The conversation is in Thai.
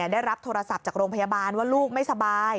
ได้รับโทรศัพท์จากโรงพยาบาลว่าลูกไม่สบาย